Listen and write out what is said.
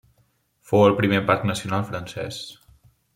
Fou el primer parc nacional francès.